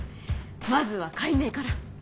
まずは改名から。